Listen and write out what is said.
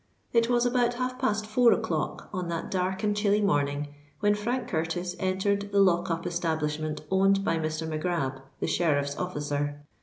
It was about half past four o'clock on that dark and chilly morning, when Frank Curtis entered the lock up establishment owned by Mr. Mac Grab, the sheriff's officer.